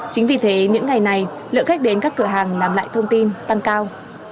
chính vì thế những ngày này lượng khách đến các cửa hàng làm lại thông tin tăng cao